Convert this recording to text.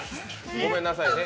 ごめんなさいね